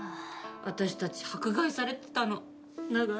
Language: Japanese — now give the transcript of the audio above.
私たち迫害されてたの長い間。